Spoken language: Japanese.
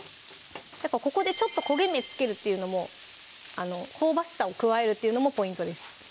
ここでちょっと焦げ目つけるっていうのも香ばしさを加えるっていうのもポイントです